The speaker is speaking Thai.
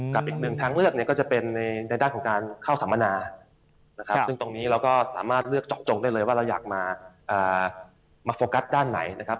กับอีกหนึ่งทางเลือกเนี่ยก็จะเป็นในด้านของการเข้าสัมมนานะครับซึ่งตรงนี้เราก็สามารถเลือกเจาะจงได้เลยว่าเราอยากมาโฟกัสด้านไหนนะครับ